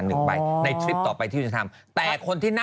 อันนี้อันนี้จะมารู้เรื่องได้ยังไงละ